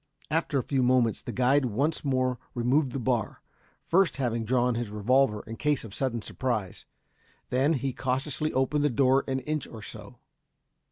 After a few moments the guide once more removed the bar, first having drawn his revolver in case of sudden surprise. Then he cautiously opened the door an inch or so.